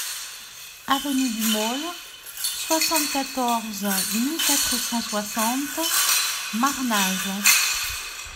Avenue du Môle, soixante-quatorze mille quatre cent soixante Marnaz